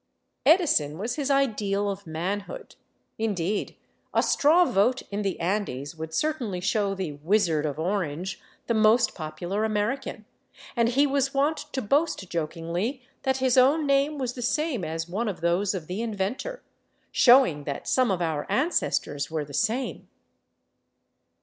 Edison was his ideal of manhood — indeed, a straw vote in the Andes would certainly show the wizard of Orange " the most popular American — and he was wont to boast jokingly that his own name was the same as one of those of the inventor, " showing that some of our ancestors were the same."